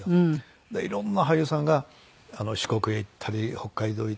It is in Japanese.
いろんな俳優さんが四国へ行ったり北海道へ行ったり。